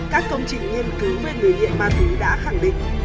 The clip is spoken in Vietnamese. các công trình nghiên cứu về người nghiện ma túy đã khẳng định